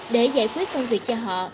để giải quyết công việc cho họ